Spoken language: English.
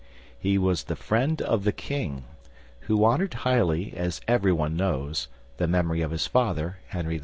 He was the friend of the king, who honored highly, as everyone knows, the memory of his father, Henry IV.